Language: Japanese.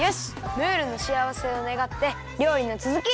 ムールのしあわせをねがってりょうりのつづき！